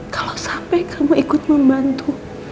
kalau sampai kamu ikut membantu